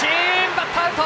バッターアウト！